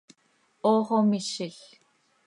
¡Hoox oo mizil!